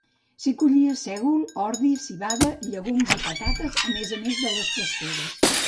S'hi collia sègol, ordi, civada, llegums i patates, a més de les pastures.